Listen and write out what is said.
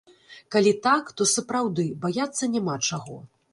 Калі так, то, сапраўды, баяцца няма чаго.